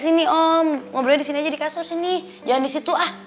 ini lanjut ku saya